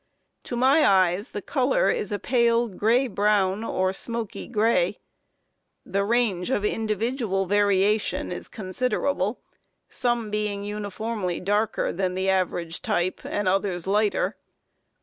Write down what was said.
To my eyes, the color is a pale gray brown or smoky gray. The range of individual variation is considerable, some being uniformly darker than the average type, and others lighter.